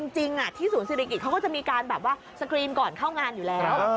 จริงที่ศูนย์ศิริกิจเขาก็จะมีการแบบว่าสกรีนก่อนเข้างานอยู่แล้ว